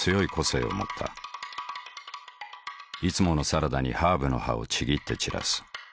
いつものサラダにハーブの葉をちぎって散らす。